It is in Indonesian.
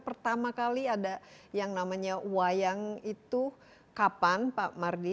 pertama kali ada yang namanya wayang itu kapan pak mardi